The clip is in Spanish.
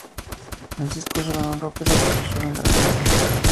Francisco Solano López aprovechó bien la demora.